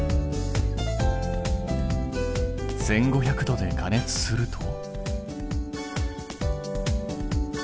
１，５００度で加熱すると。